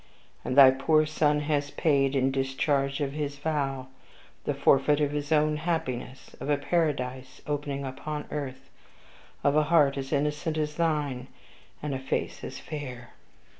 And thy poor son has paid, in discharge of his vow, the forfeit of his own happiness, of a paradise opening upon earth, of a heart as innocent as thine, and a face as fair.